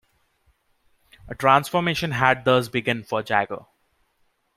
A transformation had thus begun for Jagger.